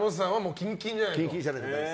キンキンじゃないと。